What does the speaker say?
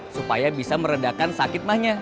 supaya bisa meredakan sakit mahnya